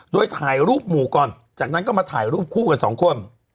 โดยถ่ายรูปหมู่ก่อนจากนั้นก็มาถ่ายรูปคู่กับสองคน